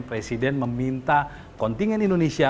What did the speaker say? presiden meminta kontingen indonesia